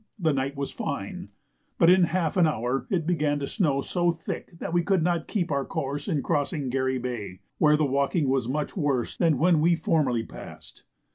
the night was fine, but in half an hour it began to snow so thick that we could not keep our course in crossing Garry Bay, where the walking was much worse than when we formerly passed.